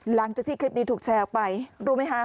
หลังจากที่คลิปนี้ถูกแชร์ออกไปรู้ไหมคะ